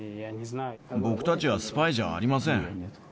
僕たちはスパイじゃありません。